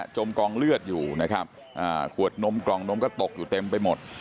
จมกองเลือดอยู่นะครับขวดนมกล่องนมก็ตกอยู่เต็มไปหมด